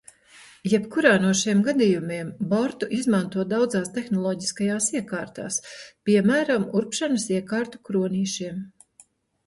Jebkurā no šiem gadījumiem bortu izmanto daudzās tehnoloģiskajās iekārtās, piemēram urbšanas iekārtu kronīšiem.